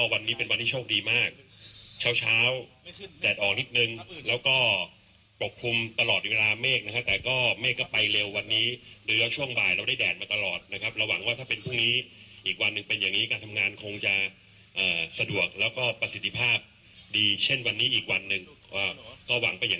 ว่าก็หวังไปอย่างจริงว่าพรุ่งนี้คงจะดีนะครับ